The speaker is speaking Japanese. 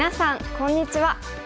こんにちは。